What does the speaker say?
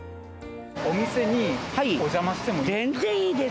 お店にお邪魔してもいいです